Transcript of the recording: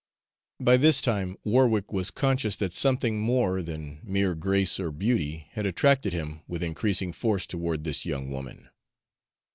By this time Warwick was conscious that something more than mere grace or beauty had attracted him with increasing force toward this young woman.